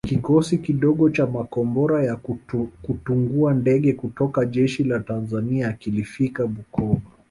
Kikosi kidogo cha makombora ya kutungua ndege kutoka jeshi la Tanzania kilifika Bukoba